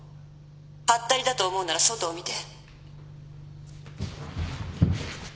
はったりだと思うなら外を見て。